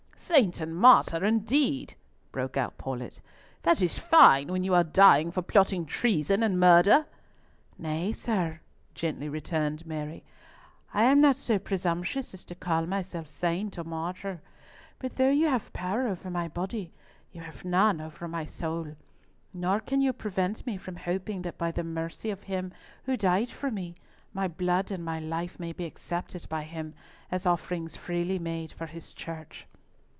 "Saint and martyr, indeed!" broke out Paulett. "That is fine! when you are dying for plotting treason and murder!" "Nay, sir," gently returned Mary, "I am not so presumptuous as to call myself saint or martyr; but though you have power over my body, you have none over my soul, nor can you prevent me from hoping that by the mercy of Him who died for me, my blood and life may be accepted by Him, as offerings freely made for His Church."